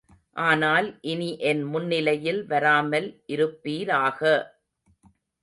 ஆனால் இனி என் முன்னிலையில் வராமல் இருப்பீராக!